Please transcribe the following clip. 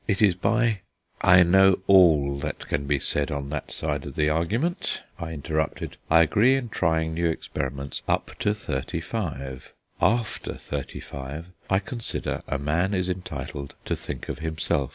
It is by " "I know all that can be said on that side of the argument," I interrupted. "I agree in trying new experiments up to thirty five; after thirty five I consider a man is entitled to think of himself.